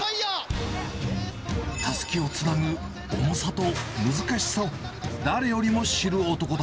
たすきをつなぐ重さと難しさを、誰よりも知る男だ。